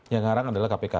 yang ngarang adalah kpk